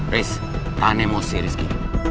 riz tahan emosi rizky